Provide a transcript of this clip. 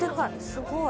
すごい。